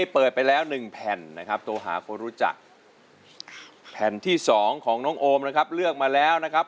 แผ่นไหนครับ